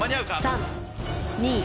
３・２・